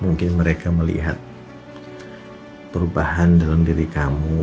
mungkin mereka melihat perubahan dalam diri kamu